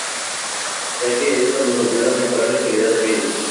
Ya que esto nos ayuda a mejorar la calidad de vida